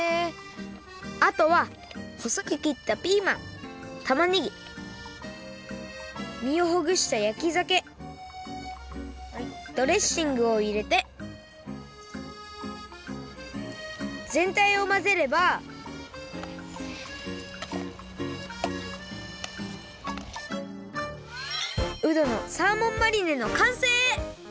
あとはほそくきったピーマンたまねぎみをほぐしたやきざけドレッシングをいれてぜんたいをまぜればうどのサーモンマリネのかんせい！